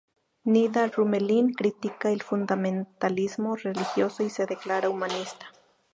Nida-Rümelin critica el fundamentalismo religioso y se declara humanista.